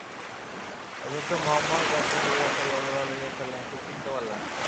অথচ মুহাম্মদ রাসূলুল্লাহ সাল্লাল্লাহু আলাইহি ওয়াসাল্লামকে চিনতে পারলেন না।